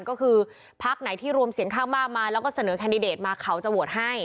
ก็คือพักไหนที่รวมเสียงข้างมากมาแล้วก็เสนอแคนดิเดตมาเขาจะโหวตให้